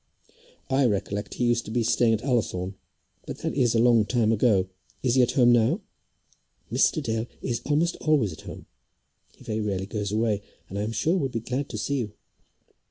"I recollect. He used to be staying at Ullathorne. But that is a long time ago. Is he at home now?" "Mr. Dale is almost always at home. He very rarely goes away, and I am sure would be glad to see you."